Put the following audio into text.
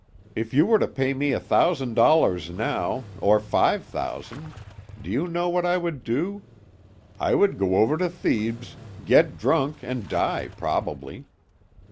If you were to pay me a thousand dollars now, or five thousand, do you know what I would do? I would go over to Thebes, get drunk and die probably.